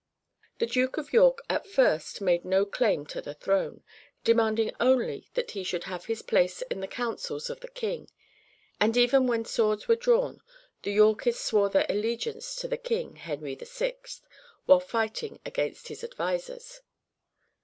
] The Duke of York at first made no claim to the throne, demanding only that he should have his place in the councils of the king, and even when swords were drawn the Yorkists swore their allegiance to the king, Henry VI., while fighting against his advisers.